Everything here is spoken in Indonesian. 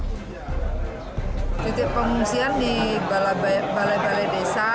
titik pengungsian di balai balai desa